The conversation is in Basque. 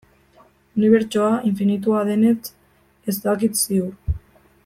Unibertsoa infinitua denetz ez dakit ziur.